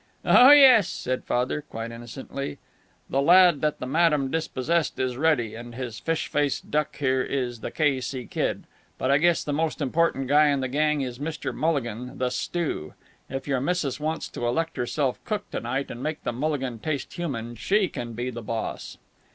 "Oh yes," said Father, quite innocently. "The lad that the madam dispossessed is Reddy, and this fish faced duck here is the K. C. Kid. But I guess the most important guy in the gang is Mr. Mulligan, the stew. If your missus wants to elect herself cook to night, and make the mulligan taste human, she can be the boss."